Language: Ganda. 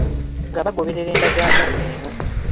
Nga bagoberera endagaano eno